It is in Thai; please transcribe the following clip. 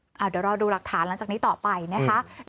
เดี๋ยวรอดูหลักฐานหลังจากนี้ต่อไปนะคะ